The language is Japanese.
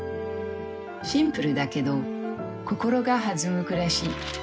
シンプルだけど心が弾む暮らし。